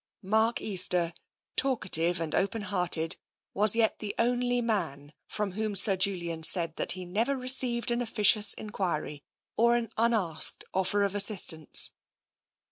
Mark Easter, talk ative and open hearted, was yet the only man from whom Sir Julian said that he had never received an officious enquiry or an unasked offer of assistance.